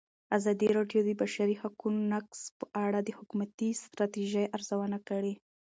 ازادي راډیو د د بشري حقونو نقض په اړه د حکومتي ستراتیژۍ ارزونه کړې.